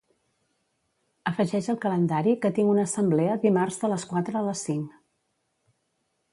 Afegeix al calendari que tinc una assemblea dimarts de les quatre a les cinc.